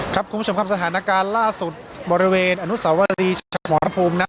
คุณผู้ชมครับสถานการณ์ล่าสุดบริเวณอนุสาวรีชัยสมรภูมิ